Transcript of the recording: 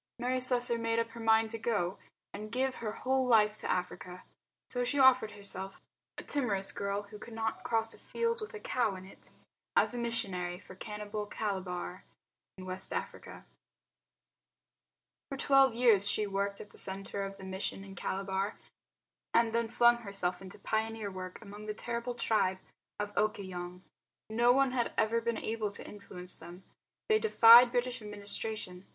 Mary Slessor made up her mind to go out and give her whole life to Africa. So she offered herself, a timorous girl who could not cross a field with a cow in it, as a missionary for cannibal Calabar, in West Africa. For twelve years she worked at the centre of the mission in Calabar and then flung herself into pioneer work among the terrible tribe of Okoyong. No one had ever been able to influence them. They defied British administration.